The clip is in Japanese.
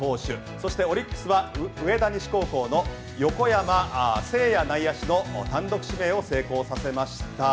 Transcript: そして、オリックスは上田西高校の横山聖也内野手の単独指名を成功させました。